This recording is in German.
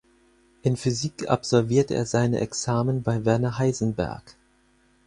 In Physik absolvierte er seine Examen bei Werner Heisenberg.